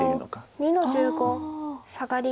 黒２の十五サガリ。